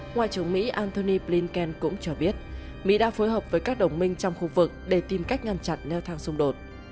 ngoại trưởng mỹ antony blinken cũng cho biết mỹ đã phối hợp với các đồng minh trong khu vực để tìm cách ngăn chặn leo thang xung đột